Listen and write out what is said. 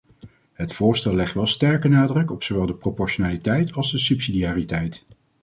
Het voorstel legt wel sterke nadruk op zowel de proportionaliteit als de subsidiariteit.